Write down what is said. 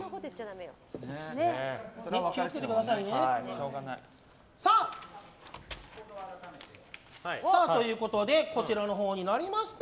気を付けてくださいね。ということでこちらのほうになりました。